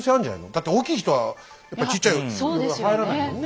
だって大きい人はやっぱりちっちゃい鎧は入らないもんね。